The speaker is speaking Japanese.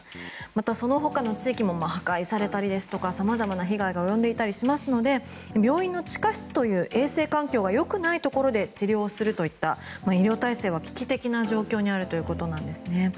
また、その他の地域も破壊されたりさまざまな被害が及んでいたりしますので病院の地下室という衛生環境が良くないところで治療をするといった医療体制は危機的な状況にあるということです。